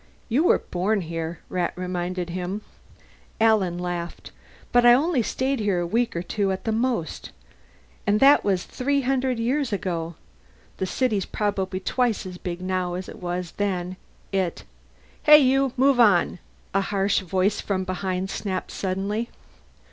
"You were born here," Rat reminded him. Alan laughed. "But I only stayed here a week or two at most. And that was three hundred years ago. The city's probably twice as big now as it was then. It " "Hey, you! Move on!" a harsh voice from behind snapped suddenly.